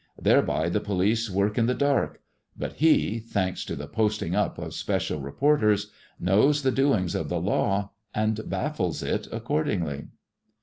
Thereby the police work in the dark, but he — thanks to the posting up of special re porters — knows the doings of the law, and baffles it accordingly.